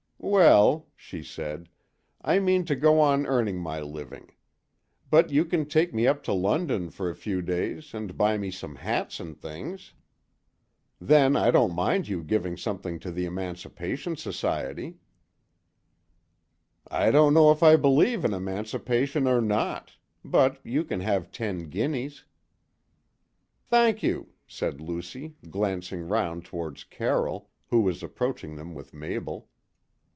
"Well," she said, "I mean to go on earning my living; but you can take me up to London for a few days and buy me some hats and things. Then I don't mind you giving something to the Emancipation Society." "I don't know if I believe in emancipation or not, but you can have ten guineas." "Thank you," said Lucy, glancing round towards Carroll, who was approaching them with Mabel.